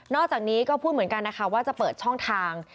อกจากนี้ก็พูดเหมือนกันนะคะว่าจะเปิดช่องทาง